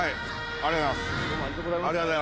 ありがとうございます。